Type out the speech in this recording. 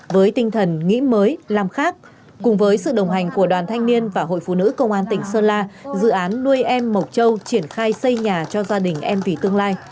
với tinh thần nghĩ mới làm khác cùng với sự đồng hành của đoàn thanh niên và hội phụ nữ công an tỉnh sơn la dự án nuôi em mộc châu triển khai xây nhà cho gia đình em vì tương lai